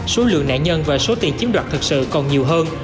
số lượng nạn nhân và số tiền chiếm đoạt thực sự còn nhiều hơn